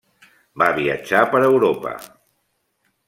Va viatjar per Europa: